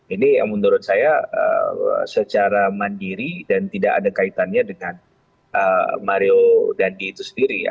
ini yang menurut saya secara mandiri dan tidak ada kaitannya dengan mario dandi itu sendiri ya